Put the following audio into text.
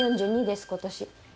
４２です今年。